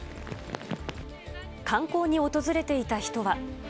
観光に訪れていた人は。